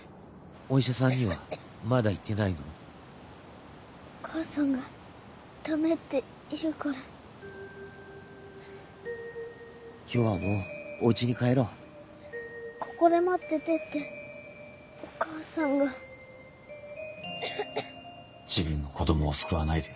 お医者さんにはまだ行ってなお母さんがダメって言うから今日はもうお家に帰ろう「ここで待ってて」ってお母さんがせき込み自分の子供を救わないで。